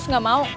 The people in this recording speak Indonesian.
seratus gak mau